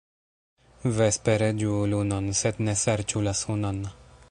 Vespere ĝuu lunon, sed ne serĉu la sunon.